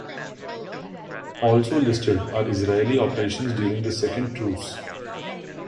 Also listed are Israeli operations during the second truce.